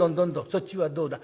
そっちはどうだ？